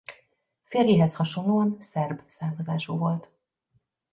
Férjéhez hasonlóan szerb származású volt.